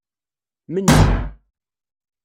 Menni.